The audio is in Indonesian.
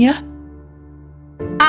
dia melihat makanannya